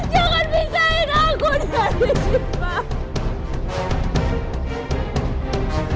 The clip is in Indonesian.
jangan pisahin aku dari syifa